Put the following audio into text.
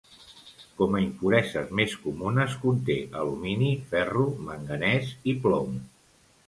Com a impureses més comunes, conté alumini, ferro, manganès i plom.